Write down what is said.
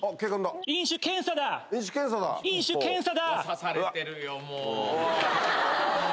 さされてるよもうもう。